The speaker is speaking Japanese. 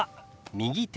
「右手」。